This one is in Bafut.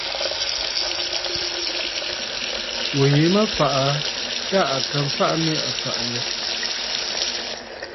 Ŋù yìi mə a fàꞌà aa tâ à ka mfaꞌa nɨ a fa aà.